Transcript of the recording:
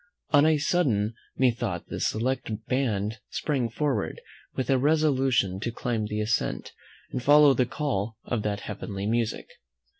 On a sudden methought this select band sprang forward, with a resolution to climb the ascent, and follow the call of that heavenly music.